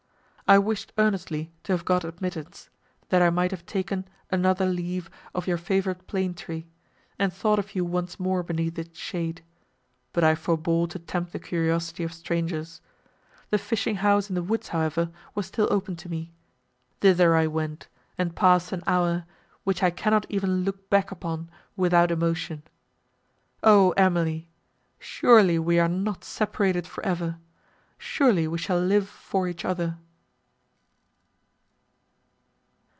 I wished earnestly to have got admittance, that I might have taken another leave of your favourite plane tree, and thought of you once more beneath its shade: but I forbore to tempt the curiosity of strangers: the fishing house in the woods, however, was still open to me; thither I went, and passed an hour, which I cannot even look back upon without emotion. O Emily! surely we are not separated for ever—surely we shall live for each other!"